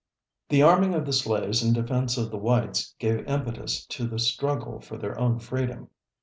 The arming of the slaves in defense of the whites gave impetus to the struggle for their own freedom.